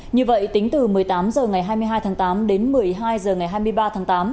như vậy tính từ một mươi tám h ngày hai mươi hai tháng tám đến một mươi hai h ngày hai mươi ba tháng tám